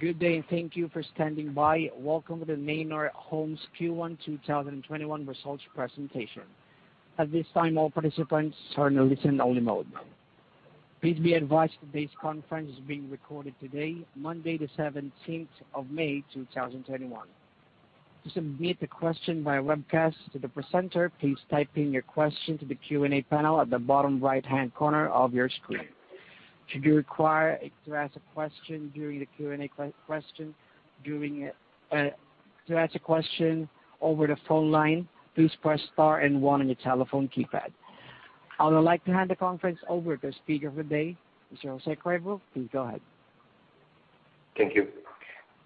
Good day. Thank you for standing by. Welcome to the Neinor Homes Q1 2021 results presentation. At this time all participants are in listen only mode. Please be advised that this conference is being recorded today, Monday the 17th of May 2021. I would like to hand the conference over to the speaker of the day, José Cravo. Please go ahead. Thank you.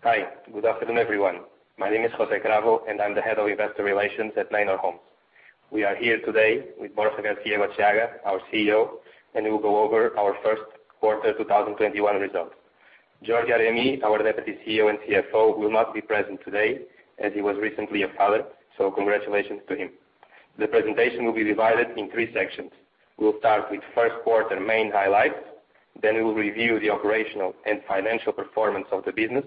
Hi. Good afternoon, everyone. My name is José Cravo, and I'm the Head of Investor Relations at Neinor Homes. We are here today with Borja Garcia-Egotxeaga, our CEO, and we'll go over our first quarter 2021 results. Jordi Argemí, our Deputy CEO and CFO, will not be present today, as he was recently a father. Congratulations to him. The presentation will be divided in three sections. We'll start with first quarter main highlights. We'll review the operational and financial performance of the business,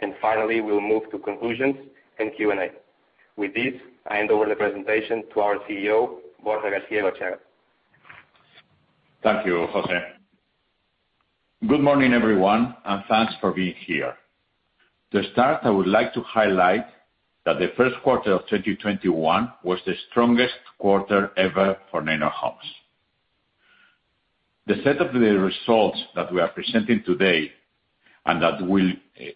and finally, we'll move to conclusions and Q&A. With this, I hand over the presentation to our CEO, Borja Garcia-Egotxeaga. Thank you, José. Good morning, everyone, and thanks for being here. To start, I would like to highlight that the first quarter of 2021 was the strongest quarter ever for Neinor Homes. The set of the results that we are presenting today, and that will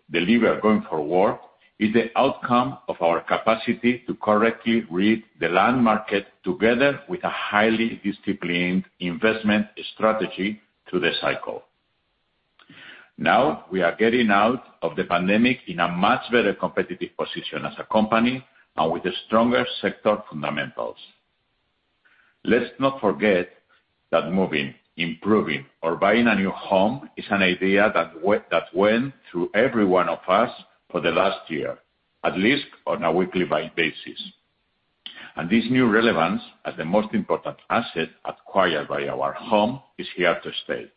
deliver going forward, is the outcome of our capacity to correctly read the land market together with a highly disciplined investment strategy to the cycle. Now, we are getting out of the pandemic in a much better competitive position as a company and with stronger sector fundamentals. Let's not forget that moving, improving, or buying a new home is an idea that went through every one of us for the last year, at least on a weekly basis. This new relevance as the most important asset acquired by Neinor Homes is here to stay,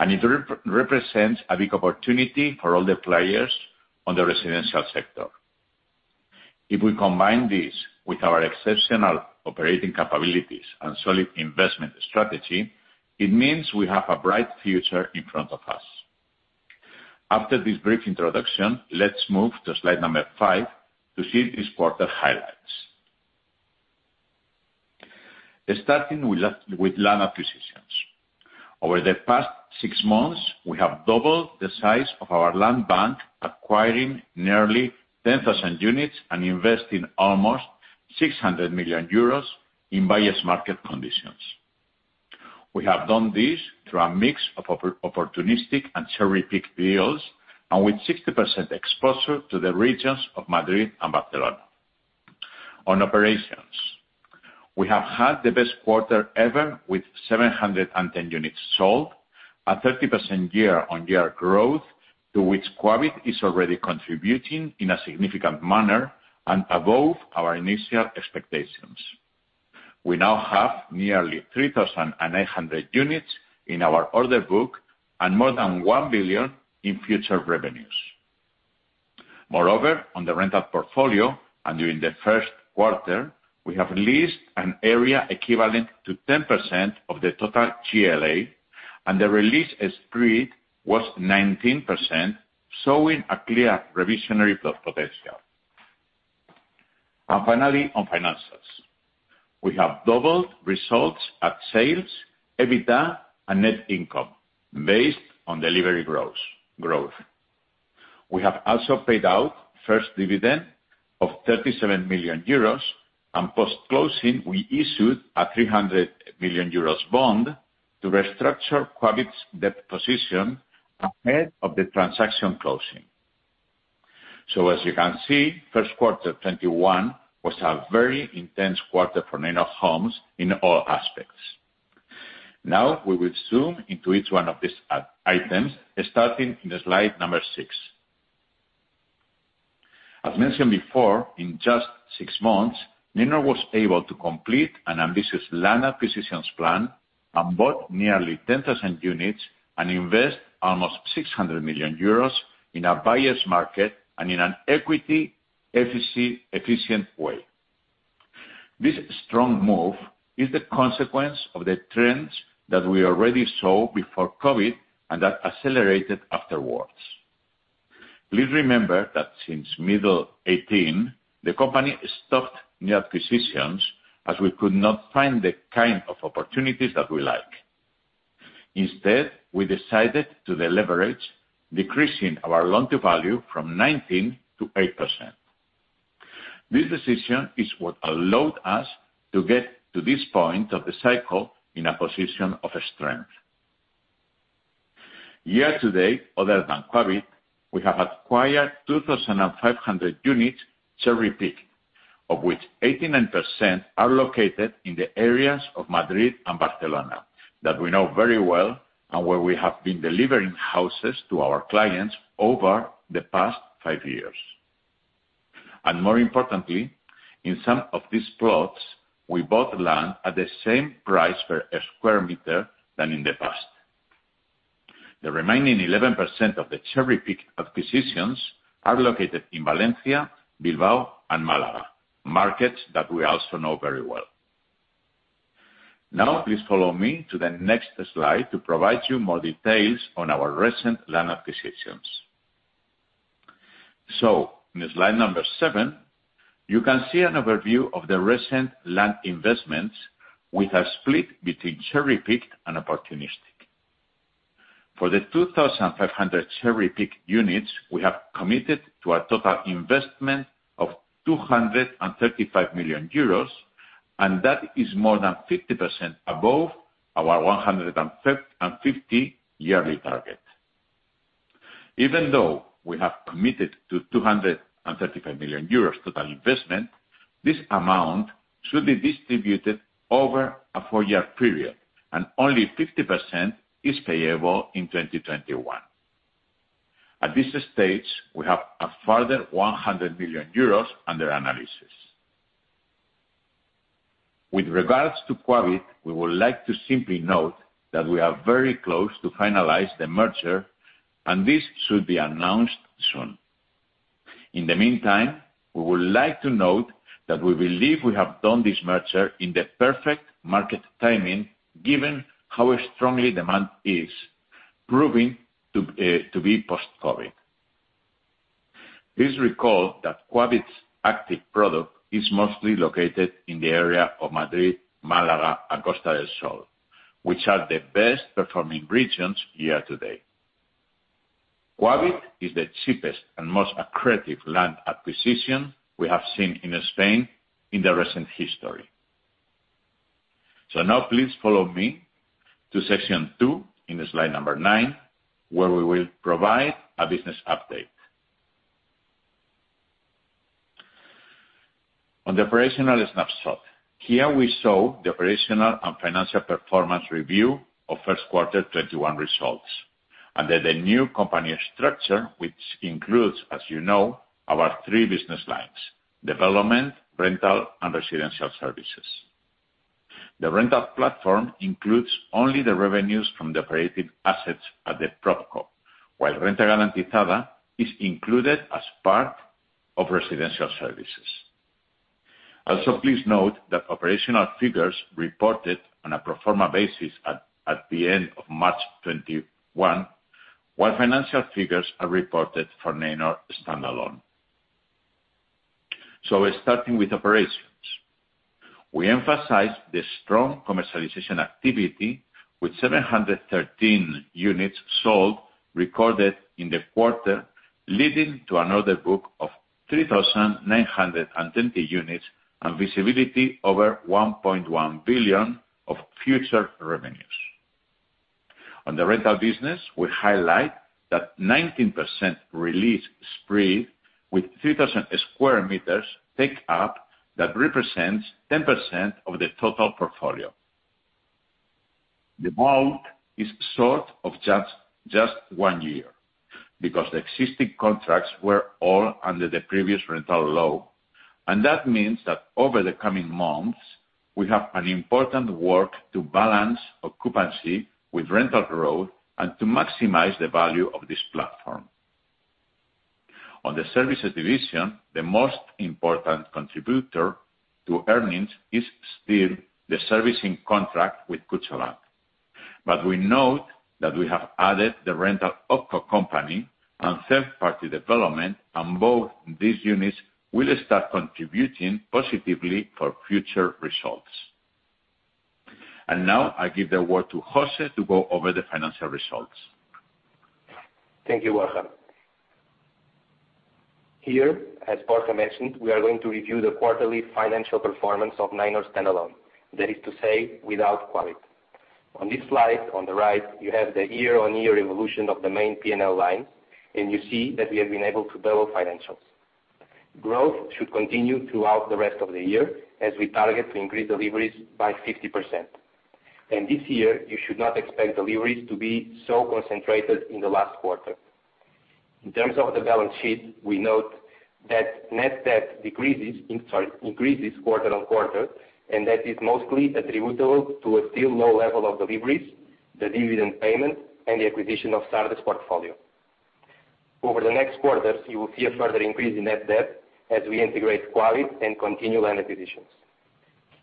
and it represents a big opportunity for all the players on the residential sector. If we combine this with our exceptional operating capabilities and solid investment strategy, it means we have a bright future in front of us. After this brief introduction, let's move to slide number five to see this quarter highlights. Starting with land acquisitions. Over the past six months, we have doubled the size of our land bank, acquiring nearly 10,000 units and investing almost 600 million euros in buyers' market conditions. We have done this through a mix of opportunistic and cherry-pick deals, and with 60% exposure to the regions of Madrid and Barcelona. On operations, we have had the best quarter ever with 710 units sold, a 30% year-on-year growth to which Quabit is already contributing in a significant manner above our initial expectations. We now have nearly 3,900 units in our order book and more than 1 billion in future revenues. Moreover, on the rental portfolio, during the first quarter, we have leased an area equivalent to 10% of the total GLA, the re-lease spread was 19%, showing a clear revisionary potential. Finally, on finances. We have doubled results at sales, EBITDA, and net income based on delivery growth. We have also paid out first dividend of 37 million euros, post-closing, we issued a 300 million euros bond to restructure Quabit's debt position ahead of the transaction closing. As you can see, first quarter 2021 was a very intense quarter for Neinor Homes in all aspects. Now, we will zoom into each one of these items, starting in slide number six. As mentioned before, in just six months, Neinor was able to complete an ambitious land acquisitions plan and bought nearly 10,000 units and invest almost 600 million euros in a buyer's market and in an equity efficient way. This strong move is the consequence of the trends that we already saw before COVID and that accelerated afterwards. Please remember that since middle 2018, the company stopped new acquisitions as we could not find the kind of opportunities that we like. Instead, we decided to deleverage, decreasing our loan-to-value from 19%-8%. This decision is what allowed us to get to this point of the cycle in a position of strength. Year to date, other than Quabit, we have acquired 2,500 units cherry picking, of which 89% are located in the areas of Madrid and Barcelona that we know very well and where we have been delivering houses to our clients over the past five years. More importantly, in some of these plots, we bought land at the same price per square meter than in the past. The remaining 11% of the cherry-picked acquisitions are located in Valencia, Bilbao, and Málaga, markets that we also know very well. Now, please follow me to the next slide to provide you more details on our recent land acquisitions. In slide number seven, you can see an overview of the recent land investments with a split between cherry-picked and opportunistic. For the 2,500 cherry-picked units, we have committed to a total investment of 235 million euros, and that is more than 50% above our 150 yearly target. Even though we have committed to 235 million euros total investment, this amount should be distributed over a four-year period, and only 50% is payable in 2021. At this stage, we have a further 100 million euros under analysis. With regards to Quabit, we would like to simply note that we are very close to finalizing the merger, and this should be announced soon. In the meantime, we would like to note that we believe we have done this merger in the perfect market timing, given how strongly demand is proving to be post-COVID. Please recall that Quabit's active product is mostly located in the area of Madrid, Málaga, and Costa del Sol, which are the best-performing regions year-to-date. Quabit is the cheapest and most accretive land acquisition we have seen in Spain in the recent history. Now please follow me to section two in slide number nine, where we will provide a business update. On the operational snapshot, here we show the operational and financial performance review of Q1 2021 results, under the new company structure, which includes, as you know, our three business lines: development, rental, and residential services. The rental platform includes only the revenues from the operating assets at the PropCo, while Renta Garantizada is included as part of residential services. Also, please note that operational figures reported on a pro forma basis at the end of March 2021, while financial figures are reported for Neinor standalone. Starting with operations. We emphasize the strong commercialization activity with 713 units sold recorded in the quarter, leading to an order book of 3,920 units and visibility over 1.1 billion of future revenues. On the rental business, we highlight that 19% re-lease spread with 3,000 square meters take-up that represents 10% of the total portfolio. The bulk is sort of just one year, because the existing contracts were all under the previous rental law, that means that over the coming months, we have an important work to balance occupancy with rental growth and to maximize the value of this platform. On the services division, the most important contributor to earnings is still the servicing contract with Kutxabank. We note that we have added the rental OpCo company and third-party development, both these units will start contributing positively for future results. Now I give the word to José to go over the financial results. Thank you, Borja. Here, as Borja mentioned, we are going to review the quarterly financial performance of Neinor standalone. That is to say, without Quabit. On this slide, on the right, you have the year-on-year evolution of the main P&L lines. You see that we have been able to double financials. Growth should continue throughout the rest of the year as we target to increase deliveries by 50%. This year, you should not expect deliveries to be so concentrated in the last quarter. In terms of the balance sheet, we note that net debt increases quarter-on-quarter. That is mostly attributable to a still low level of deliveries, the dividend payment, and the acquisition of Sareb's portfolio. Over the next quarters, you will see a further increase in net debt as we integrate Quabit and continue land acquisitions.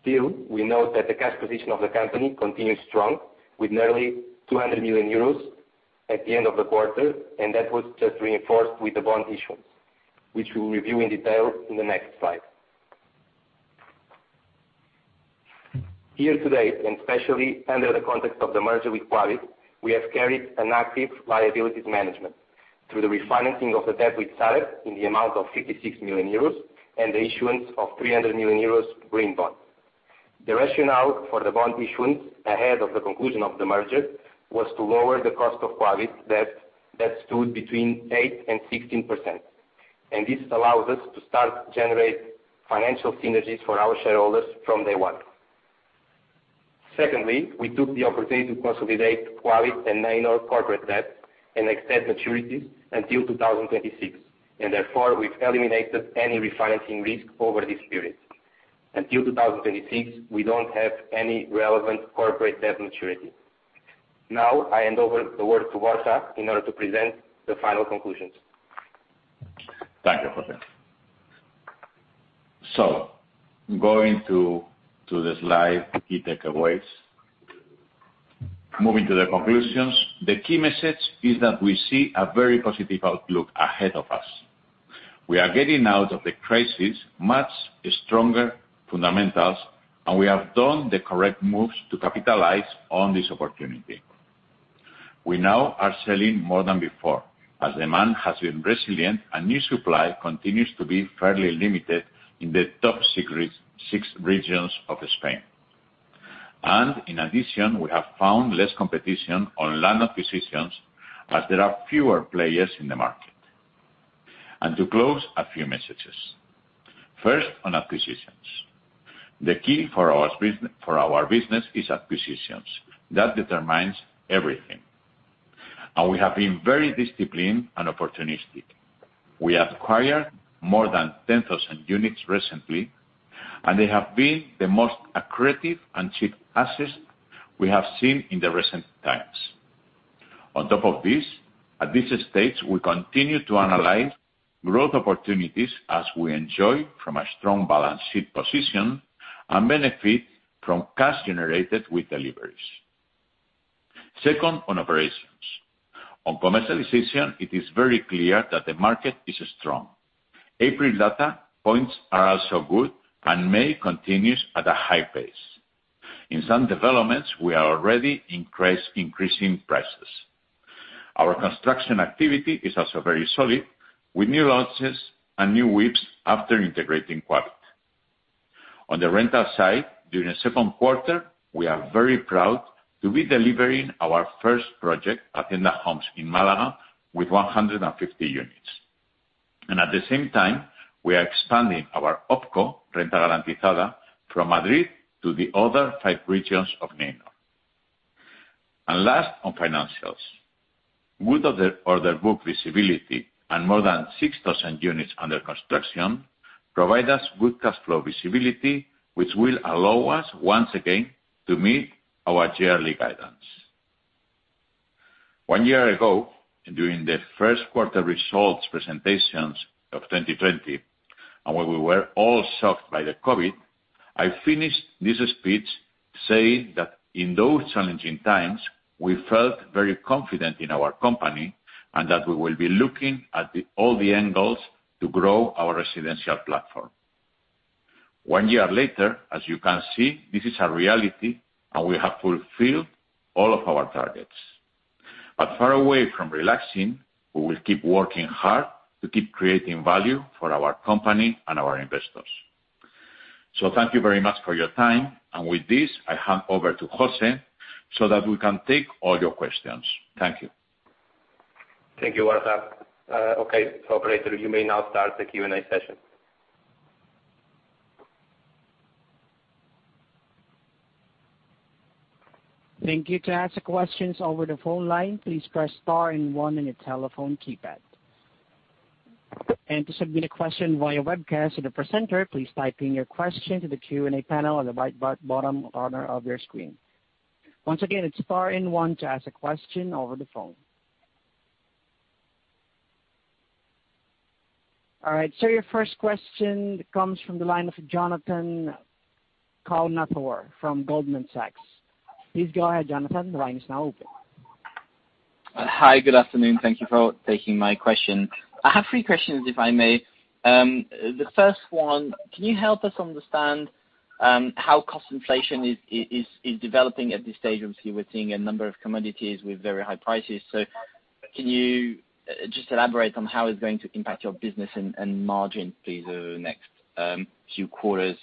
Still, we note that the cash position of the company continues strong with nearly 200 million euros at the end of the quarter. That was just reinforced with the bond issuance, which we'll review in detail in the next slide. Here today, especially under the context of the merger with Quabit, we have carried an active liabilities management through the refinancing of the debt with Sareb in the amount of 56 million euros and the issuance of 300 million euros green bond. The rationale for the bond issuance ahead of the conclusion of the merger was to lower the cost of Quabit's debt that stood between 8% and 16%. This allows us to start generate financial synergies for our shareholders from day one. Secondly, we took the opportunity to consolidate Quabit and Neinor corporate debt and extend maturity until 2026. Therefore, we've eliminated any refinancing risk over this period. Until 2026, we don't have any relevant corporate debt maturity. Now I hand over the word to Borja Garcia-Egotxeaga in order to present the final conclusions. Thank you, José. Going to the slide, key takeaways. Moving to the conclusions, the key message is that we see a very positive outlook ahead of us. We are getting out of the crisis much stronger fundamentals, and we have taken the correct moves to capitalize on this opportunity. We now are selling more than before, as demand has been resilient and new supply continues to be fairly limited in the top six regions of Spain. In addition, we have found less competition on land acquisitions as there are fewer players in the market. To close, a few messages. First, on acquisitions. The key for our business is acquisitions. That determines everything. We have been very disciplined and opportunistic. We acquired more than 10,000 units recently, and they have been the most accretive and cheap assets we have seen in the recent times. On top of this, at this stage, we continue to analyze growth opportunities as we enjoy from a strong balance sheet position and benefit from cash generated with deliveries. Second, on operations. On commercialization, it is very clear that the market is strong. April data points are also good, and May continues at a high pace. In some developments, we are already increasing prices. Our construction activity is also very solid, with new launches and new WIPs after integrating Quabit. On the rental side, during the second quarter, we are very proud to be delivering our first project, Hacienda Homes, in Málaga with 150 units. At the same time, we are expanding our OpCo, Renta Garantizada, from Madrid to the other five regions of Neinor. Last, on financials. Good order book visibility and more than 6,000 units under construction provide us with cash flow visibility, which will allow us once again to meet our yearly guidance. One year ago, during the first quarter results presentations of 2020, and when we were all shocked by the COVID, I finished this speech saying that in those challenging times, we felt very confident in our company, and that we will be looking at all the angles to grow our residential platform. One year later, as you can see, this is a reality, and we have fulfilled all of our targets. Far away from relaxing, we will keep working hard to keep creating value for our company and our investors. Thank you very much for your time. With this, I hand over to José so that we can take all your questions. Thank you. Thank you, Borja Garcia-Egotxeaga. Okay. Operator, you may now start the Q&A session. Thank you. To ask questions over the phone line, please press star and one on your telephone keypad. To submit a question via webcast or the presenter, please type in your question to the Q&A panel on the bottom corner of your screen. Once again, it's star and one to ask a question over the phone. All right, your first question comes from the line of Jonathan Gan from Goldman Sachs. Please go ahead, Jonathan. The line is now open. Hi. Good afternoon. Thank you for taking my question. I have three questions, if I may. The first one, can you help us understand how cost inflation is developing at this stage? Obviously, we're seeing a number of commodities with very high prices. Can you just elaborate on how it's going to impact your business and margin through the next few quarters?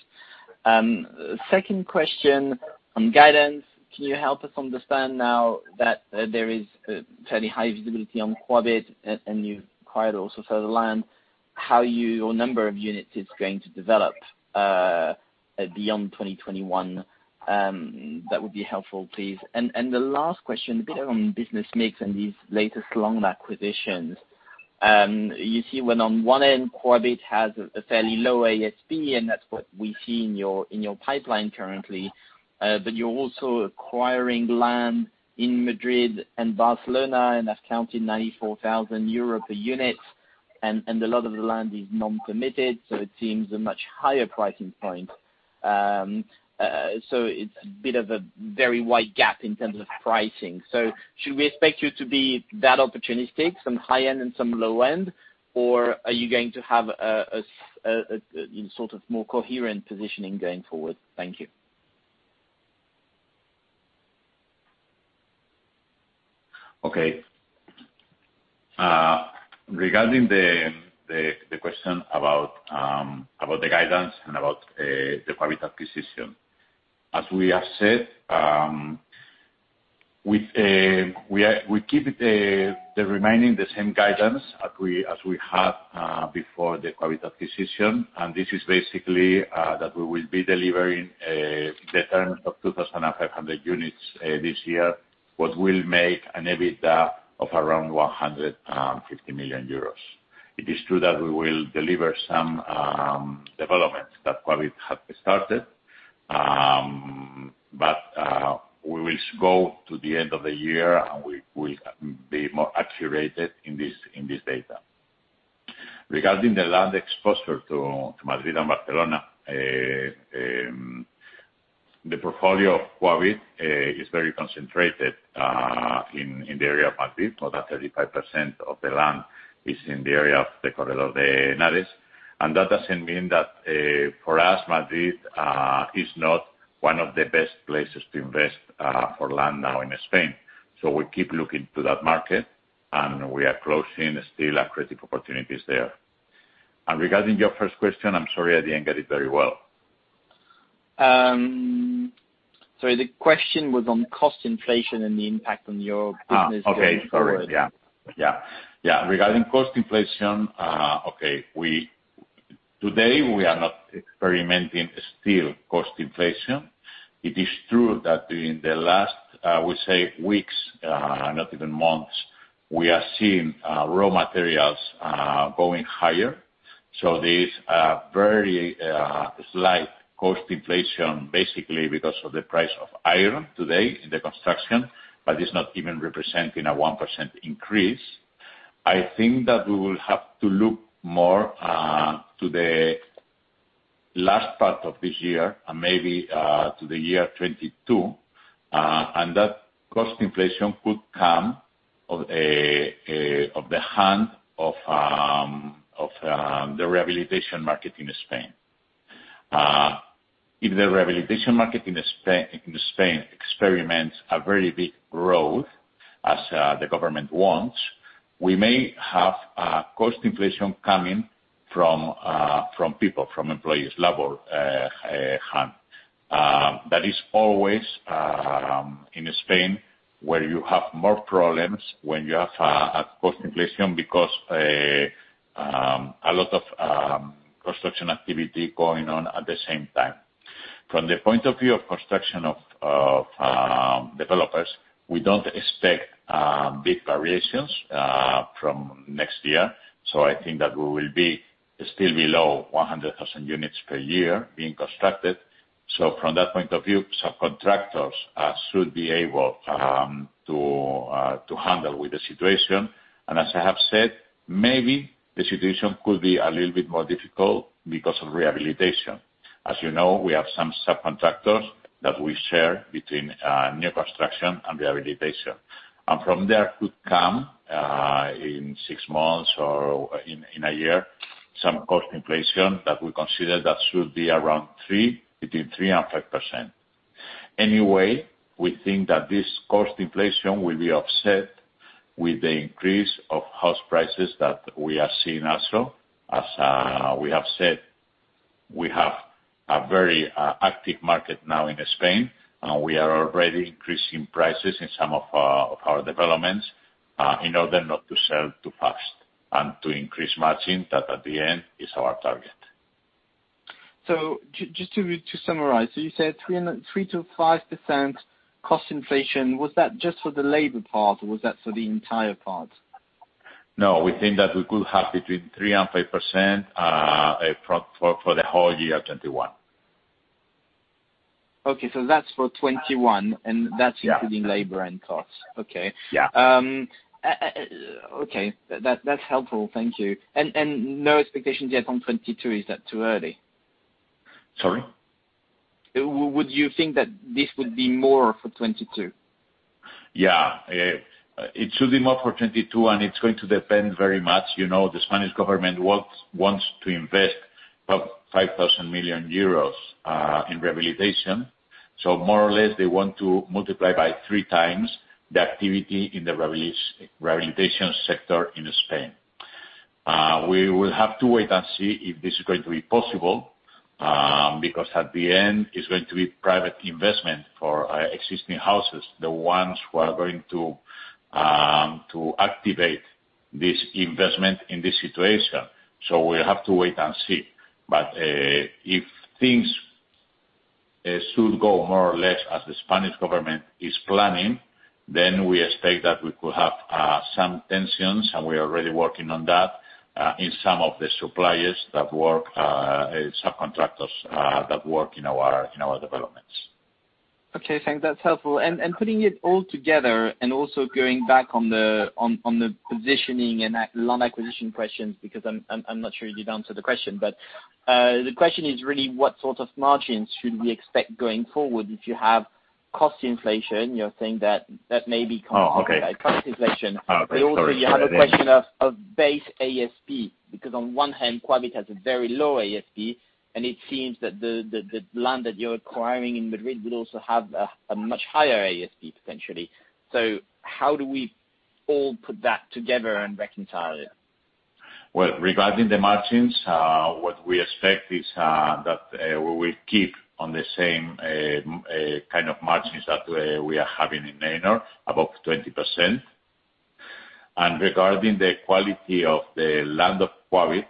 Second question, on guidance, can you help us understand now that there is fairly high visibility on Quabit and you've acquired also further land, how your number of units is going to develop beyond 2021? That would be helpful, please. The last question, a bit on business mix and these latest long acquisitions. You see when on one end, Quabit has a fairly low ASP, and that's what we see in your pipeline currently, but you're also acquiring land in Madrid and Barcelona, and that's costing 94,000 euro per unit, and a lot of the land is non-committed. It seems a much higher pricing point. It's a bit of a very wide gap in terms of pricing. Should we expect you to be that opportunistic, some high-end and some low-end, or are you going to have a more coherent positioning going forward? Thank you. Okay. Regarding the question about the guidance and about the Quabit acquisition, as we have said, we keep the remaining the same guidance as we had before the Quabit acquisition. This is basically that we will be delivering the turns of 2,500 units this year, what will make an EBITDA of around 150 million euros. It is true that we will deliver some developments that Quabit had started, but we will go to the end of the year, and we will be more accurate in this data. Regarding the land exposure to Madrid and Barcelona, the portfolio of Quabit is very concentrated in the area of Madrid. More than 35% of the land is in the area of the Corredor del Henares, and that doesn't mean that for us, Madrid is not one of the best places to invest for land now in Spain. We keep looking to that market, and we are closing still accretive opportunities there. Regarding your first question, I'm sorry, I didn't get it very well. The question was on cost inflation and the impact on your business going forward. Okay. Sorry. Yeah. Regarding cost inflation, today, we are not experimenting still cost inflation. It is true that during the last, I would say, weeks, not even months, we are seeing raw materials going higher. There is a very slight cost inflation, basically because of the price of iron today in the construction, but it's not even representing a 1% increase. I think that we will have to look more to the last part of this year and maybe to the year 2022, and that cost inflation could come of the hand of the rehabilitation market in Spain. If the rehabilitation market in Spain experiments a very big growth as the government wants, we may have cost inflation coming from people, from employees, labor hand. That is always in Spain, where you have more problems when you have a cost inflation because a lot of construction activity going on at the same time. From the point of view of construction of developers, we don't expect big variations from next year, so I think that we will be still below 100,000 units per year being constructed. From that point of view, subcontractors should be able to handle with the situation. As I have said, maybe the situation could be a little bit more difficult because of rehabilitation. As you know, we have some subcontractors that we share between new construction and rehabilitation. From there could come, in six months or in a year, some cost inflation that we consider that should be between 3%-5%. Anyway, we think that this cost inflation will be offset with the increase of house prices that we are seeing also. As we have said, we have a very active market now in Spain, and we are already increasing prices in some of our developments in order not to sell too fast and to increase margin that at the end is our target. Just to summarize. You said 3%-5% cost inflation. Was that just for the labor part or was that for the entire part? No, we think that we could have between 3% and 5% for the whole year 2021. Okay. That's for 2021, and that's including labor and costs. Okay. Yeah. Okay. That's helpful. Thank you. No expectations yet on 2022? Is that too early? Sorry? Would you think that this would be more for 2022? Yeah. It should be more for 2022. It's going to depend very much. The Spanish government wants to invest 5,000 million euros in rehabilitation. More or less, they want to multiply by 3x the activity in the rehabilitation sector in Spain. We will have to wait and see if this is going to be possible because at the end, it's going to be private investment for existing houses, the ones who are going to activate this investment in this situation. We'll have to wait and see. If things should go more or less as the Spanish government is planning, then we expect that we could have some tensions, and we are already working on that in some of the suppliers, subcontractors that work in our developments. Okay, thank you. That's helpful. Putting it all together and also going back on the positioning and land acquisition questions, because I'm not sure you've answered the question. The question is really what sort of margins should we expect going forward if you have cost inflation? You're saying that that may be coming. Cost inflation. Okay. Sorry. Also you have a question of base ASP, because on one hand, Quabit has a very low ASP, and it seems that the land that you're acquiring in Madrid will also have a much higher ASP, potentially. How do we all put that together and reconcile it? Well, regarding the margins, what we expect is that we will keep on the same kind of margins that we are having in Neinor, above 20%. Regarding the quality of the land of Quabit,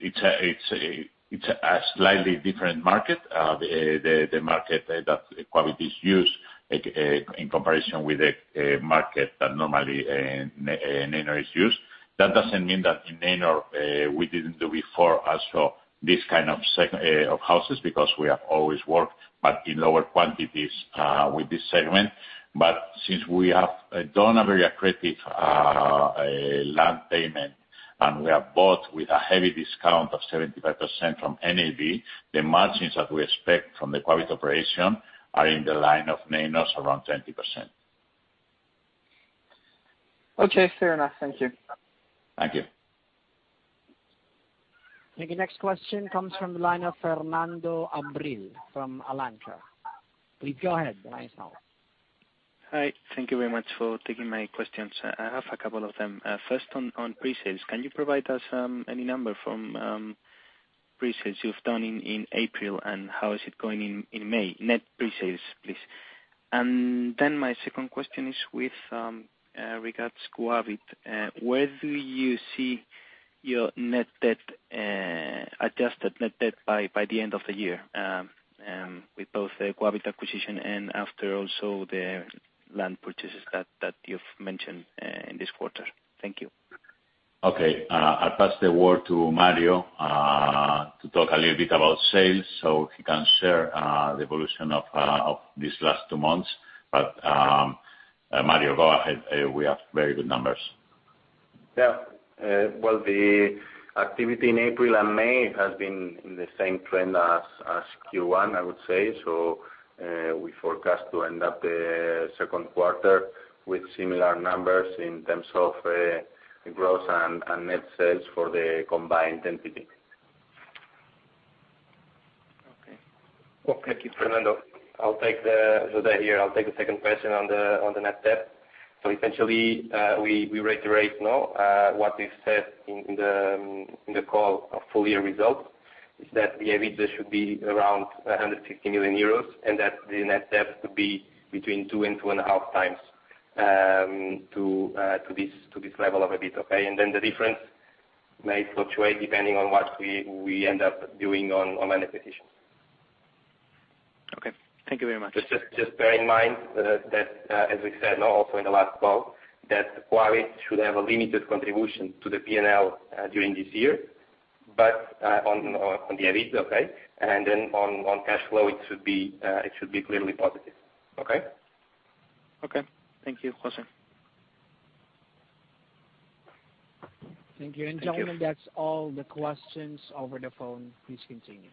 it's a slightly different market. The market that Quabit is used in comparison with the market that normally Neinor is used. That doesn't mean that in Neinor we didn't do before also this kind of houses, because we have always worked, but in lower quantities with this segment. Since we have done a very accretive land payment, and we have bought with a heavy discount of 75% from NAV, the margins that we expect from the Quabit operation are in the line of Neinor's, around 20%. Okay, fair enough. Thank you. Thank you. Thank you. Next question comes from the line of Fernando Abril-Martorell from Alantra. Please go ahead. Hi. Thank you very much for taking my questions. I have a couple of them. First, on pre-sales, can you provide us any number from pre-sales you've done in April, and how is it going in May? Net pre-sales, please. My second question is with regards Quabit, where do you see your adjusted net debt by the end of the year, with both the Quabit acquisition and after also the land purchases that you've mentioned in this quarter? Thank you. Okay. I'll pass the word to Mario to talk a little bit about sales so he can share the evolution of these last two months. Mario, go ahead. We have very good numbers. Well, the activity in April and May has been in the same trend as Q1, I would say. We forecast to end up the second quarter with similar numbers in terms of gross and net sales for the combined entity. Okay. Okay. Thank you, Fernando. José here. I'll take the second question on the net debt. Essentially, we reiterate now what we said in the call of full-year results, is that the EBITDA should be around 150 million euros and that the net debt could be between two and two and a half times to this level of EBIT. Okay. The difference may fluctuate depending on what we end up doing on acquisitions. Okay. Thank you very much. Just bear in mind that, as we said also in the last call, that Quabit should have a limited contribution to the P&L during this year, on the EBIT, okay. On cash flow, it should be clearly positive. Okay. Okay. Thank you, José. Thank you. Gentlemen, that's all the questions over the phone. Please continue.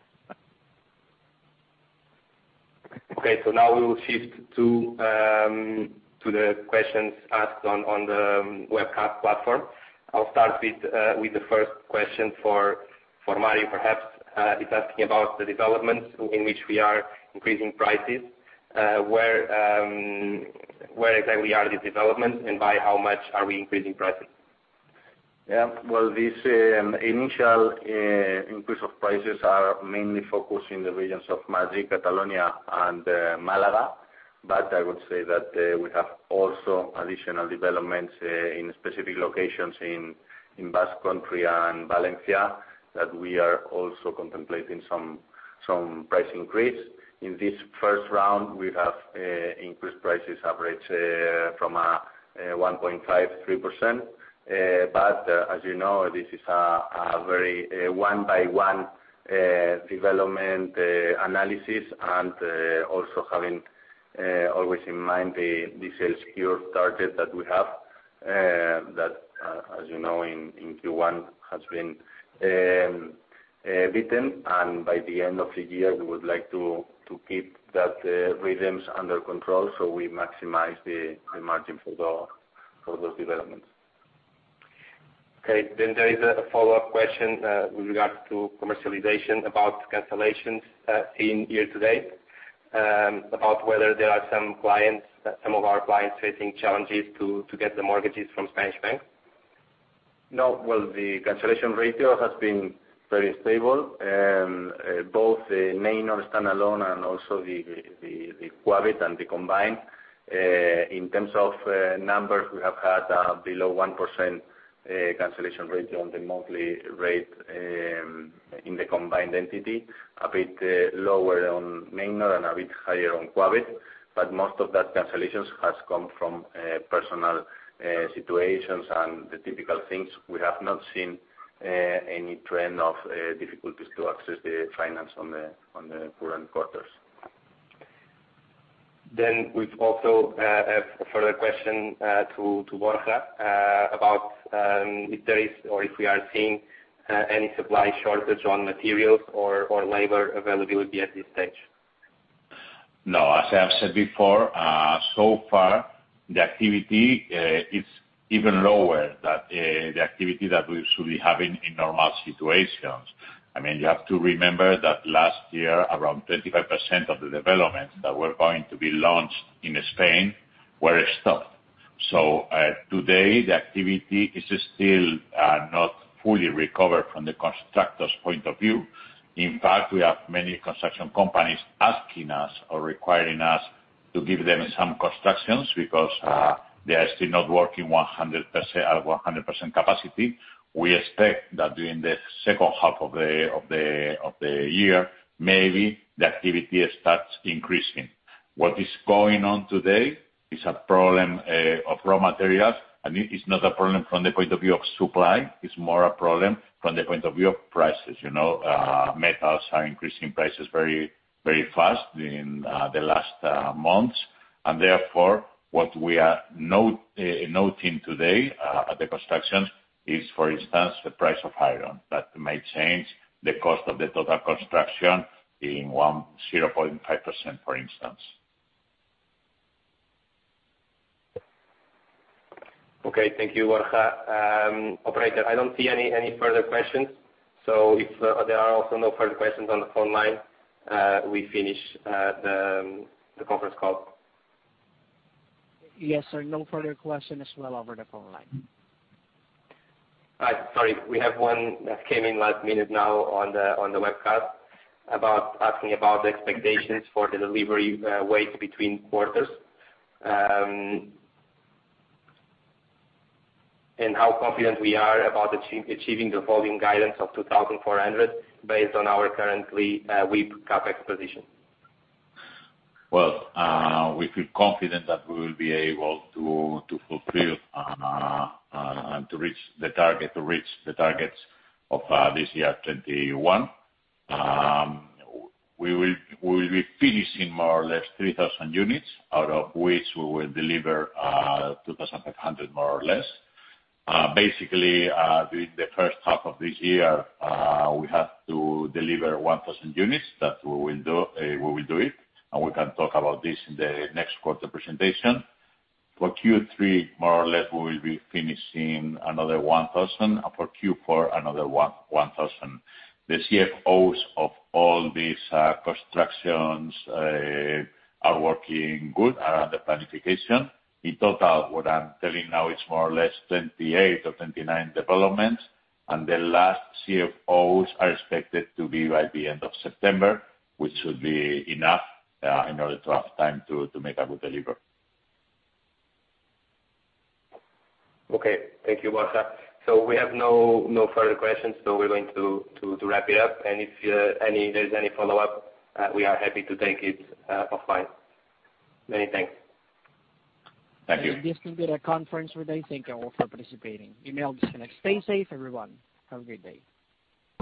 Okay, now we will shift to the questions asked on the webcast platform. I will start with the first question for Mario, perhaps. It is asking about the developments in which we are increasing prices. Where exactly are these developments and by how much are we increasing prices? Yeah. Well, this initial increase of prices are mainly focused in the regions of Madrid, Catalonia and Málaga. I would say that we have also additional developments in specific locations in Basque Country and Valencia, that we are also contemplating some price increase. In this first round, we have increased prices average from 1.5%-3%. As you know, this is a very one-by-one development analysis and also having always in mind the sales cure target that we have, that as you know, in Q1 has been beaten. By the end of the year, we would like to keep that rhythms under control so we maximize the margin for those developments. Okay, there is a follow-up question with regards to commercialization about cancellations seen year to date, about whether there are some of our clients facing challenges to get the mortgages from Spanish banks. No. Well, the cancellation ratio has been very stable, both Neinor standalone and also the Quabit and the combined. In terms of numbers, we have had below 1% cancellation ratio on the monthly rate in the combined entity, a bit lower on Neinor and a bit higher on Quabit. Most of that cancellations has come from personal situations and the typical things. We have not seen any trend of difficulties to access the finance on the current quarters. We also have a further question to Borja about if there is or if we are seeing any supply shortage on materials or labor availability at this stage. No. As I have said before, so far the activity is even lower than the activity that we usually have in normal situations. You have to remember that last year, around 25% of the developments that were going to be launched in Spain were stopped. Today, the activity is still not fully recovered from the constructor's point of view. In fact, we have many construction companies asking us or requiring us to give them some constructions because they are still not working at 100% capacity. We expect that during the second half of the year, maybe the activity starts increasing. What is going on today is a problem of raw materials, it's not a problem from the point of view of supply. It's more a problem from the point of view of prices. Metals are increasing prices very fast in the last months, and therefore, what we are noting today at the constructions is, for instance, the price of iron. That may change the cost of the total construction in 0.5%, for instance. Okay. Thank you, Borja. Operator, I don't see any further questions. If there are also no further questions on the phone line, we finish the conference call. Yes, sir. No further questions as well over the phone line. Sorry, we have one that came in last minute now on the webcast, asking about the expectations for the delivery weight between quarters. How confident we are about achieving the volume guidance of 2,400 based on our currently WIP CapEx position. Well, we feel confident that we will be able to fulfill and to reach the targets of this year, 2021. We will be finishing more or less 3,000 units, out of which we will deliver 2,500 more or less. Basically, during the first half of this year, we have to deliver 1,000 units. That we will do it. We can talk about this in the next quarter presentation. For Q3, more or less, we will be finishing another 1,000. For Q4, another 1,000. The CFOs of all these constructions are working good around the planification. In total, what I'm telling now, it's more or less 28 or 29 developments. The last CFOs are expected to be by the end of September, which should be enough in order to have time to make up the delivery. Okay. Thank you, Borja. We have no further questions, so we're going to wrap it up. If there's any follow-up, we are happy to take it offline. Many thanks. Thank you. This concludes our conference for today. Thank you all for participating. You may all disconnect. Stay safe, everyone. Have a great day.